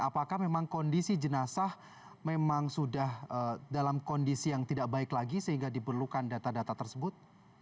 apakah memang kondisi jenazah memang sudah dalam kondisi yang tidak baik lagi sehingga diperlukan data data tersebut